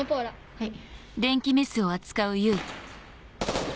はい。